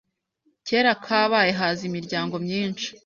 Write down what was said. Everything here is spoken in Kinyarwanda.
Kera kabaye haza imiryango myishi